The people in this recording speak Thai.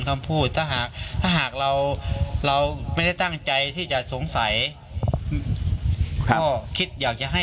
คำพูดถ้าหากถ้าหากเราเราไม่ได้ตั้งใจที่จะสงสัยก็คิดอยากจะให้